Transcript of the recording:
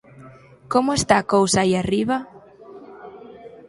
Como está a cousa aí arriba?